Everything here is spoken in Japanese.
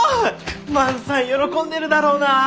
万さん喜んでるだろうな！